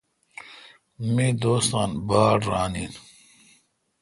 مہ دوست باڑ ران این۔